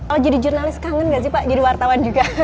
oh jadi jurnalis kangen gak sih pak jadi wartawan juga